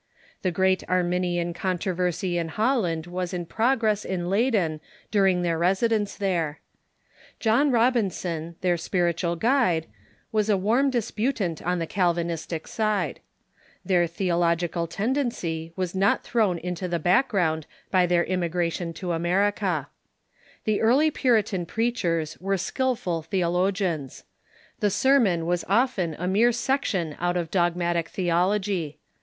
The great Arniiuian controversy in Holland Theological ^^'"^^^"^ progress in Leyden during their residence Bent of the there. John Robinson, their spiritual guide, was a Puritan warni disputant on the Calvinistic side. Their the ological tendency was not thrown into the background by their innnigration to America. The early Puritan preachers were skilful theologians. The sermon w^as often a mere sec tion out of dogmatic theology.